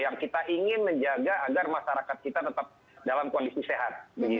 yang kita ingin menjaga agar masyarakat kita tetap dalam kondisi sehat